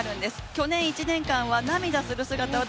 去年１年間は涙する姿を私